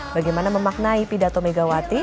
bagaimana memaknai pidato megawati